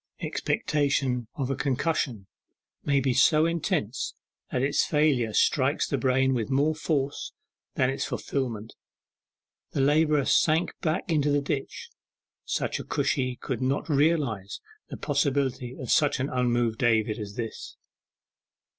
Expectation of a concussion may be so intense that its failure strikes the brain with more force than its fulfilment. The labourer sank back into the ditch. Such a Cushi could not realize the possibility of such an unmoved David as this.